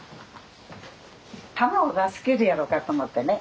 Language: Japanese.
玉を出すけるやろかと思ってね。